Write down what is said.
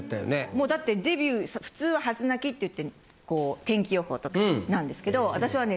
もうだってデビュー普通は初鳴きっていってこう天気予報とかなんですけど私はね。